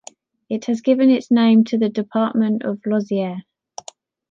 It has given its name to the department of Lozère.